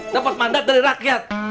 dapet mandat dari rakyat